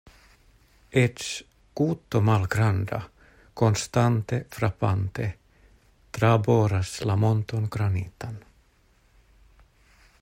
Eĉ guto malgranda, konstante frapante, traboras la monton granitan.